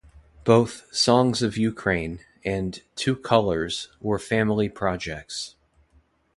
Both "Songs of Ukraine" and "Two Colors" were family projects.